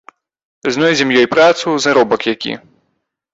Знойдзем ёй працу, заробак які.